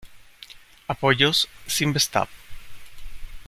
Apoyos Cinvestav.